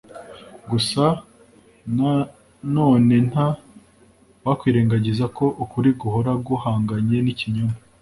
gusa nanonenta wakwirengagiza ko ukuri guhora guhanganye n'ikinyoma